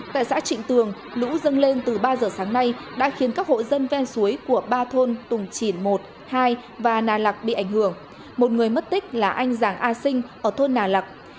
tại xã trịnh tường lũ dâng lên từ ba giờ sáng nay đã khiến các hộ dân ven suối của ba thôn tùng chỉn một hai và nà lạc bị ảnh hưởng một người mất tích là anh giàng a sinh ở thôn nà lạc